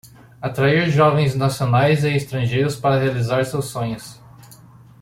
Atrair jovens nacionais e estrangeiros para realizar seus sonhos